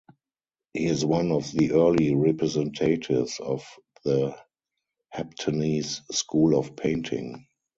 He is one of the early representatives of the Heptanese School of painting.